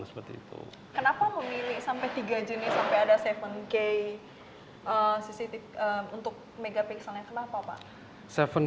kenapa memilih sampai tiga jenis sampai ada tujuh gay cct untuk megapikselnya kenapa pak